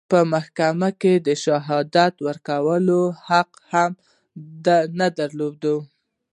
په محکمه کې د شهادت ورکولو حق هم نه درلود.